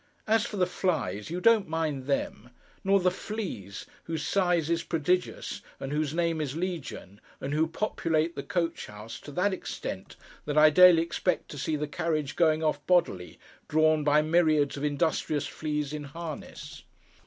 As for the flies, you don't mind them. Nor the fleas, whose size is prodigious, and whose name is Legion, and who populate the coach house to that extent that I daily expect to see the carriage going off bodily, drawn by myriads of industrious fleas in harness.